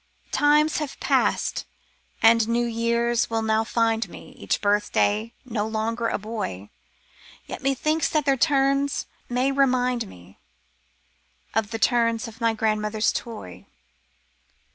Times have passed, and new years will now find me, Each birthday, no longer a boy, Yet methinks that their turns may remind me Of the turns of my grandmother's toy.